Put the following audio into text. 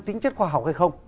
tính chất khoa học hay không